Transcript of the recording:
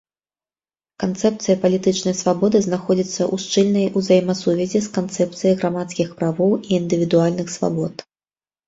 Канцэпцыя палітычнай свабоды знаходзіцца ў шчыльнай узаемасувязі з канцэпцыяй грамадскіх правоў і індывідуальных свабод.